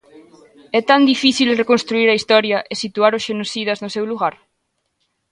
É tan difícil reconstruír a historia e situar os xenocidas no seu lugar?